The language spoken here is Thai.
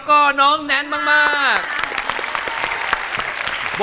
กรุงเทพหมดเลยครับ